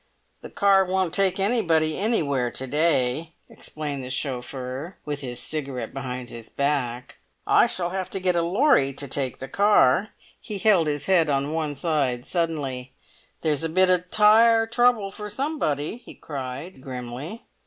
"The car won't take anybody anywhere to day," explained the chauffeur, with his cigarette behind his back. "I shall have to get a lorry to take the car." He held his head on one side suddenly. "There's a bit o' tyre trouble for somebody!" he cried, grimly.